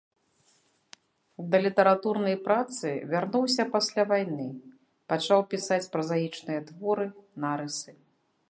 Да літаратурнай працы вярнуўся пасля вайны, пачаў пісаць празаічныя творы, нарысы.